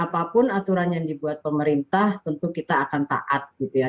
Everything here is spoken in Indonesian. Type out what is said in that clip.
apapun aturan yang dibuat pemerintah tentu kita akan taat gitu ya